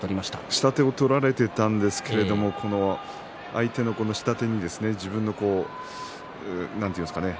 下手を取られていたんですけど相手の下手に自分の、なんていうんですかね